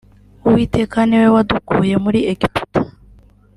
uwiteka niwe wadukuye muri Egiputa